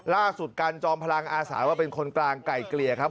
ล่าสุดการจอมพลังอาศัยว่าเป็นคนกลางไก่เกลี่ยครับ